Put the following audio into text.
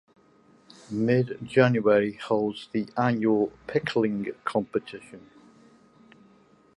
Mid-January holds the annual Pickling Competition.